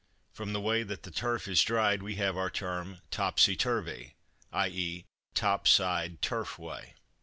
(From the way that the turf is dried we have our term topsy turvy, i.e., top side turf way).